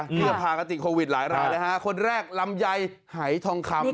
เพื่อพากระติดโควิดหลายคนแรกลำไยหายทองคำ